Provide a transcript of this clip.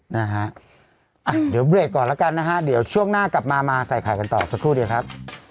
นะฮะอ่ะเดี๋ยวเบรกก่อนแล้วกันนะฮะเดี๋ยวช่วงหน้ากลับมามาใส่ไข่กันต่อสักครู่เดียวครับ